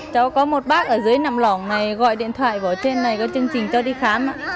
cháu có một bác ở dưới nằm lỏng này gọi điện thoại bỏ trên này có chương trình cho đi khám